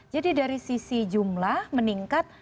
jadi dari sisi jumlah meningkat